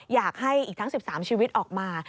อยากให้อีกทั้ง๑๓ชีวิตออกมา